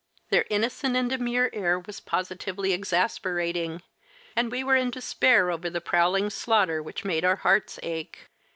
Their innocent and demure air was positively exasperating and we were in despair over the prowling slaughter which made our hearts ache.